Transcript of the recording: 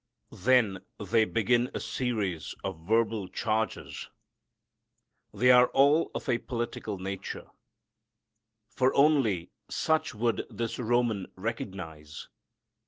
Then they begin a series of verbal charges. They are all of a political nature, for only such would this Roman recognize.